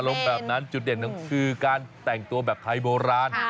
อารมณ์แบบนั้นจุดเด่นคือการแต่งตัวแบบไทยโบราณ